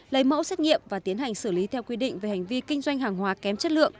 lấy mẫu xét nghiệm và tiến hành xử lý theo quy định về hành vi kinh doanh hàng hóa kém chất lượng